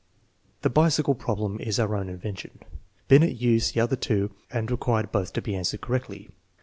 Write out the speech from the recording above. The bicycle problem is our own invention. Binet used the other two and required both to be answered correctly.